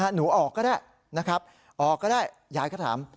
หนูออกก็ได้ยายก็ถาม